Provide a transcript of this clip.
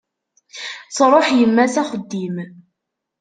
Truḥ yemma s axeddim.